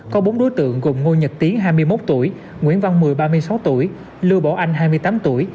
có bốn đối tượng gồm ngô nhật tiến hai mươi một tuổi nguyễn văn mười ba mươi sáu tuổi lưu bảo anh hai mươi tám tuổi